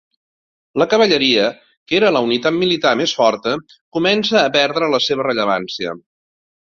La cavalleria, que era la unitat militar més forta, comença a perdre la seva rellevància.